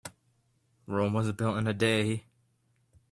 Rome wasn't built in a day.